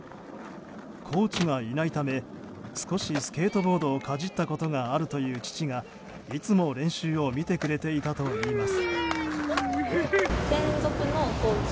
コーチがいないため少しスケートボードをかじったことがあるという父がいつも練習を見てくれていたといいます。